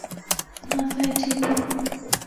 ہاں صحت ٹھیک ہو۔